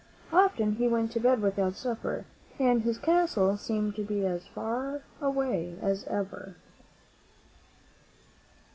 Often he went to bed without supper, and his castle seemed to be as far away as ever.